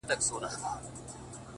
څوک د مئين سره په نه خبره شر نه کوي;